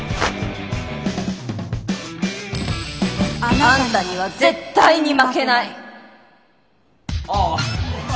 あなたには絶対に負けない！